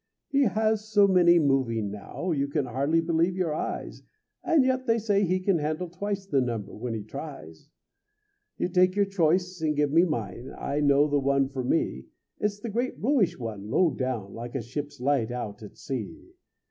He has so many moving now, You can hardly believe your eyes; And yet they say he can handle twice The number when he tries. You take your choice and give me mine, I know the one for me, It's that great bluish one low down Like a ship's light out at sea.